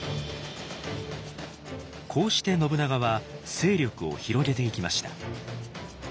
こうして信長は勢力を広げていきました。